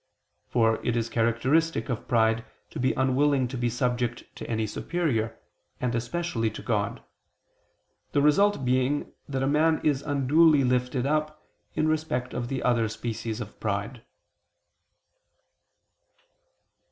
For it is characteristic of pride to be unwilling to be subject to any superior, and especially to God; the result being that a man is unduly lifted up, in respect of the other species of pride.